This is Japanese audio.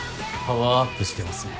パワーアップしてますね。